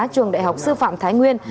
trường đại học sư phạm thái nguyên